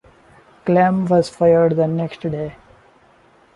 Clem was fired the next day.